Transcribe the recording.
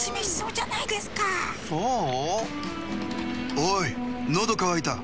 おいのどかわいた。